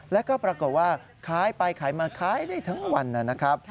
แล้วก็ปรากฏว่าขายไปขายมาขายได้ทั้งวันนะครับ